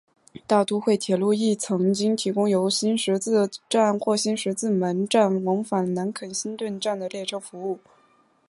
大都会铁路亦曾经提供由新十字站或新十字门站往返南肯辛顿站的列车服务。